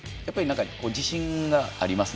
自信がありますね。